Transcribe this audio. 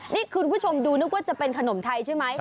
นี่คุณผู้ชมดูนึกว่าจะเป็นขนมไทยใช่ไหม